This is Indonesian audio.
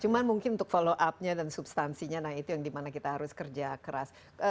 cuma mungkin untuk follow up nya dan substansinya nah itu yang dimana kita harus kerja keras